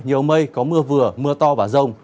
nhiều mây có mưa vừa mưa to và rông